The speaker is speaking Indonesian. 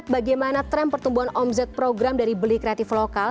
bagaimana tren pertumbuhan omzet program dari beli kreatif lokal